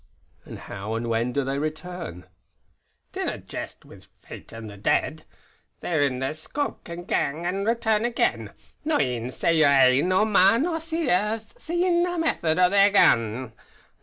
"And how and when do they return?" "Dinna jest wi' Fate an' the Dead. They in their scope can gang and return again; no een, save your ain, o' man or Seer has seen the method o' their gangin'.